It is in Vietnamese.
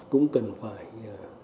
cũng cần phải